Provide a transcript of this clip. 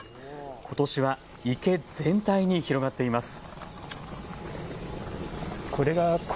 ことしは池全体に広がっています。